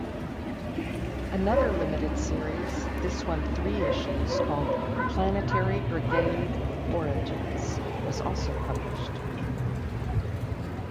Another limited series, this one three issues, called Planetary Brigade: Origins, was also published.